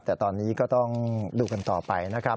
แต่ตอนนี้ก็ต้องดูกันต่อไปนะครับ